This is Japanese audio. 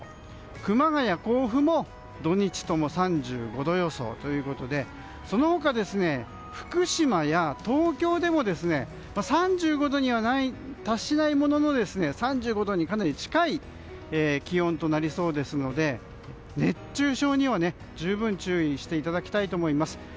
熊谷、甲府も土日とも３５度予想ということでその他、福島や東京でも３５度には達しないものの３５度にかなり近い気温となりそうですので熱中症には十分注意していただきたいと思います。